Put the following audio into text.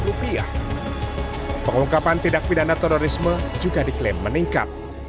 dari rp seratus pengungkapan tidak pidana terorisme juga diklaim meningkat